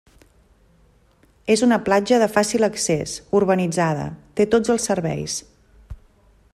És una platja de fàcil accés, urbanitzada, té tots els serveis.